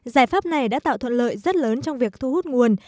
giải pháp này đã tạo thuận lợi rất lớn trong việc thu hút nguồn